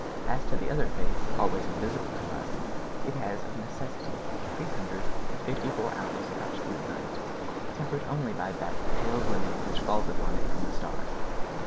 As to the other face, always invisible to us, it has of necessity three hundred and fifty four hours of absolute night, tempered only by that "pale glimmer which falls upon it from the stars."